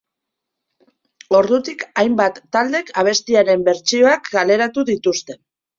Ordutik hainbat taldek abestiaren bertsioak kaleratu dituzte.